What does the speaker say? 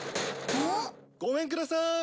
うん？ごめんください！